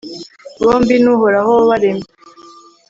bombi ni uhoraho wabaremye